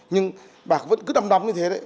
nhưng bà vẫn cứ đâm đâm như thế đấy